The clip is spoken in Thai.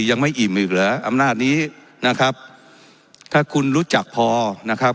ยังไม่อิ่มอีกเหรออำนาจนี้นะครับถ้าคุณรู้จักพอนะครับ